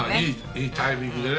いいタイミングでね。